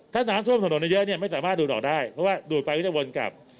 ถ้าน้ำท่วมถนนเยอะเนี่ยไม่สามารถดูดออกได้เพราะว่าดูดไปก็จะวนกลับ